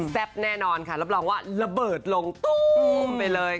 แน่นอนค่ะรับรองว่าระเบิดลงตู้มไปเลย